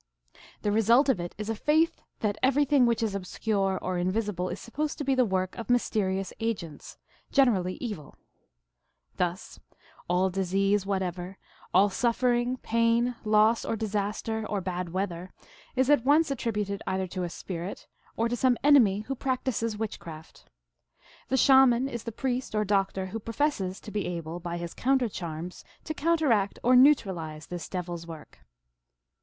The result of it is a faith that everything which is obscure or invisible is supposed to be the work of mysterious agents, generally evil. Thus all disease whatever, all suffering, pain, loss, or disaster, or bad weather, is at once attributed either to a spirit or to some enemy who practices witchcraft. The Shaman is the priest or doctor, who professes to be able, by his counter charms, to counteract or neu tralize this devil s work.